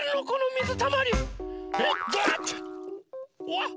わっ！